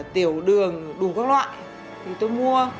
tiểu đường đủ các loại thì tôi mua